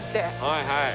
はいはい。